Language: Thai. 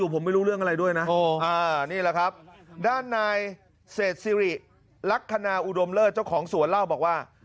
เศสซิริรักษณะอุดมเลิศเจ้าของสวนเล่าบอกว่า